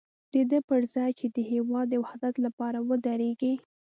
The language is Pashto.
د دې پر ځای چې د هېواد د وحدت لپاره ودرېږي.